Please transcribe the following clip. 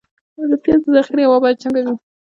د پیاز د ذخیرې هوا باید څنګه وي؟